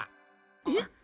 えっ？